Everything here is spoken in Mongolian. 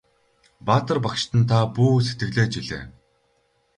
Баатар багштан та бүү сэтгэлээ чилээ!